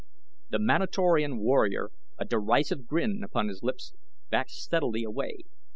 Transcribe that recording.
The Manatorian warrior, a derisive grin upon his lips, backed steadily away.